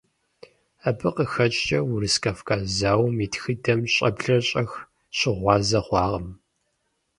Абы къыхэкӀкӀэ Урыс-Кавказ зауэм и тхыдэм щӀэблэр щӀэх щыгъуазэ хъуакъым.